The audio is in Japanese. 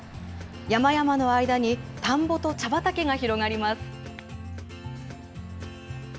山々の間に田んぼと茶畑が広がります。